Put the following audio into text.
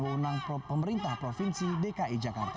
wewenang pemerintah provinsi dki jakarta